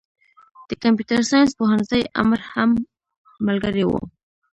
د کمپيوټر ساينس پوهنځي امر هم ملګری و.